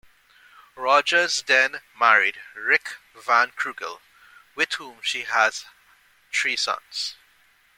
Rogers then married Rick Van Krugel with whom she has three sons.